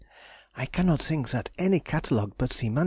I cannot think that any catalogue but the MS.